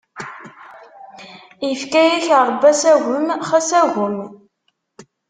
Ifka-yak Ṛebbi asagem, xas agem!